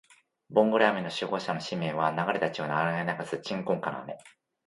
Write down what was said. ボンゴレ雨の守護者の使命は、流れた血を洗い流す鎮魂歌の雨